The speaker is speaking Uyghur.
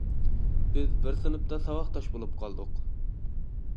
بىز بىر سىنىپتا ساۋاقداش بولۇپ قالدۇق.